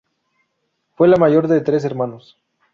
Fue la mayor de tres hermanos.